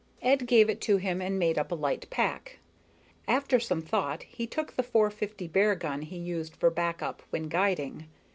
Ed gave it to him and made up a light pack. After some thought, he took the .450 bear gun he used for back up when guiding.